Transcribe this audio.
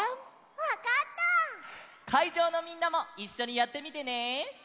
わかった！かいじょうのみんなもいっしょにやってみてね！